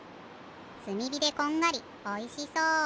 すみびでこんがりおいしそう。